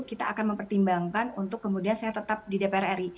kita akan mempertimbangkan untuk kemudian saya tetap di dpr ri